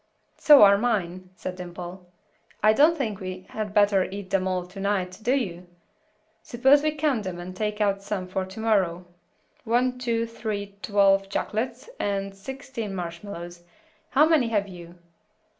"So are mine," said Dimple. "I don't think we had better eat them all to night, do you? Suppose we count them and take out some for to morrow. One, two, three, twelve chocolates, and sixteen marshmallows. How many have you?"